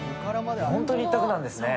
本当に一択なんですね。